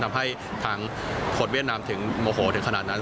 ทำให้ทางโค้ดเวียดนามถึงโมโหถึงขนาดนั้น